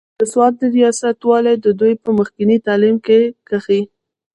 د سوات د رياست والي د دوي پۀ مخکښې تعليم کښې